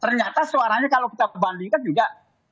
ternyata suaranya kalau kita perbandingkan juga